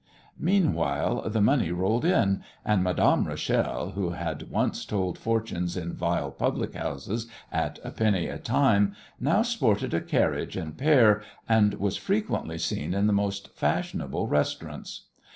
Meanwhile, the money rolled in, and Madame Rachel, who had once told fortunes in vile public houses at a penny a time, now sported a carriage and pair, and was frequently seen in the most fashionable restaurants.